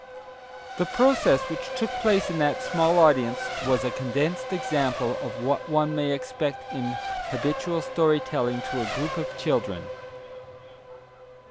The process which took place in that small audience was a condensed example of what one may expect in habitual story telling to a group of children.